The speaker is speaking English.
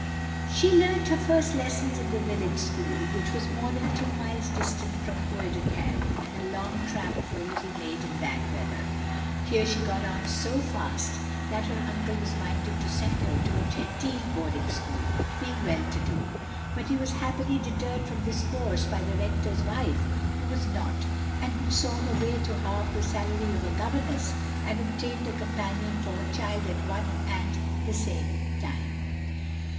She learnt her first lessons in the village school, which was more than two miles distant from Coed Ithel, and a long tramp for a little maid in bad weather. Here she got on so fast that her uncle was minded to send her to a genteel boarding school, being well to do; but he was happily deterred from this course by the Rector's wife, who was not, and who saw her way to halve the salary of a governess and obtained a companion for her child at one and the same time.